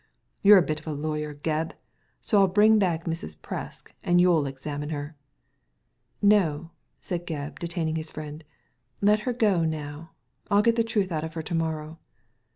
YouVe a bit of a lawyer, Gebb, so I'll bring back Mrs. Presk, and you'll examine her I "" No !" said Gebb, detaining his friend ;" let her go now. I'll get the truth out of her to morrow."